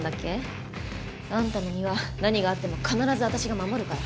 あんたの身は何があっても必ず私が守るから。